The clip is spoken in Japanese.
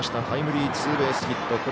タイムリーツーベースヒット。